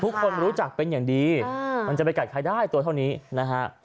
ทุกคนรู้จักเป็นอย่างดีมันจะไปกัดใครได้ตัวเท่านี้นะฮะ